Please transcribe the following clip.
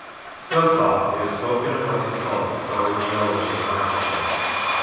So far we have spoken of what is called the solid geology of Lancashire.